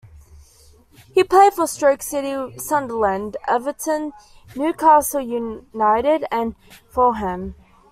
He played for Stoke City, Sunderland, Everton, Newcastle United and Fulham.